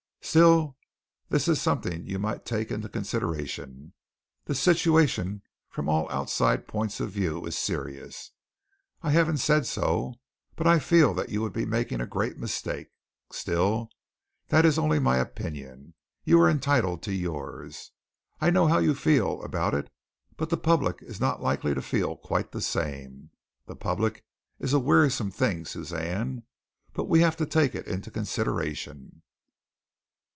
Still this is something you might take into consideration. The situation from all outside points of view is serious. I haven't said so, but I feel that you would be making a great mistake. Still, that is only my opinion. You are entitled to yours. I know how you feel about it, but the public is not likely to feel quite the same. The public is a wearisome thing, Suzanne, but we have to take it into consideration."